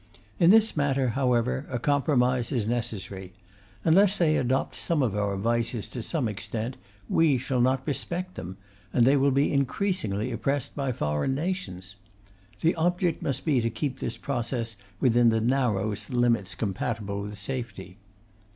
In this matter, however, a compromise is necessary. Unless they adopt some of our vices to some extent, we shall not respect them, and they will be increasingly oppressed by foreign nations. The object must be to keep this process within the narrowest limits compatible with safety.